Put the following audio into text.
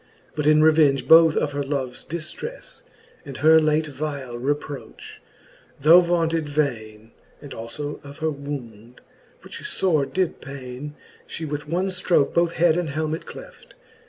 But in revenge both of her loves diftrefle, And her late vile reproch, though vaunted vaine, And alio of her wound, which lore did paine, She with one ftroke both head and helmet cleft.